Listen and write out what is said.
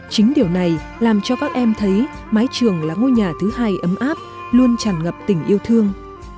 chính điều này làm cho các em thấy mái trường là ngôi nhà thứ hai ấm áp luôn tràn ngập tình yêu thương